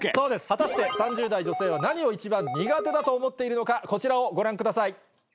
果たして３０代女性は何を一番苦手だと思っているのかこちらをご覧ください。